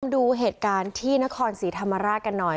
ดูเหตุการณ์ที่นครศรีธรรมราชกันหน่อย